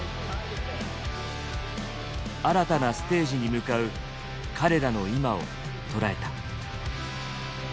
新たなステージに向かう彼らの今を捉えた。